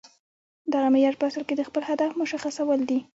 دغه معیار په اصل کې د خپل هدف مشخصول دي